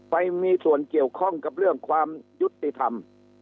ไปมีส่วนเกี่ยวข้องกับเรื่องความยุติธรรม